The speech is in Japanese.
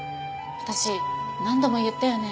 私何度も言ったよね。